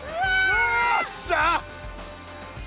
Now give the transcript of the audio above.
よっしゃ。